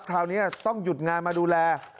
คราวนี้ต้องหยุดงานมาดูแล